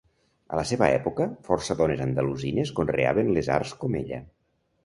A la seva època, força dones andalusines conreaven les arts com ella.